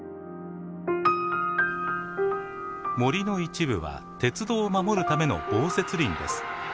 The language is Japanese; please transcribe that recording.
森の一部は鉄道を守るための防雪林です。